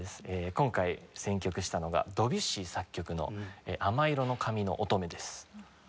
今回選曲したのがドビュッシー作曲の『亜麻色の髪のおとめ』です。